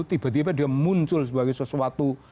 tiba tiba dia muncul sebagai sesuatu